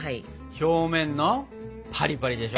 表面のパリパリでしょ！